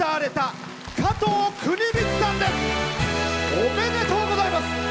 おめでとうございます。